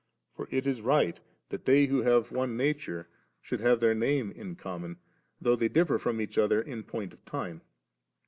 For it IS right, that they who have one nature, should have their name in common, though they differ from each other in point of time.